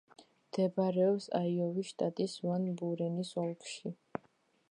მდებარეობს აიოვის შტატის ვან-ბურენის ოლქში.